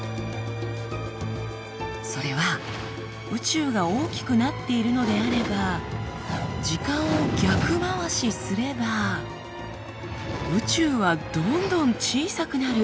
それは宇宙が大きくなっているのであれば時間を逆回しすれば宇宙はどんどん小さくなる。